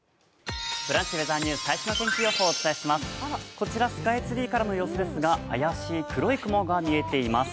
こちら、スカイツリーからの様子ですが、怪しい黒い雲が見えています。